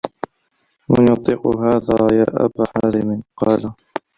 وَمَنْ يُطِيقُ هَذَا يَا أَبَا حَازِمٍ ؟ قَالَ